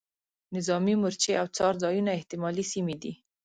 نظامي مورچې او څار ځایونه احتمالي سیمې دي.